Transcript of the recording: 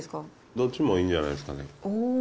どっちもいいんじゃないですかね。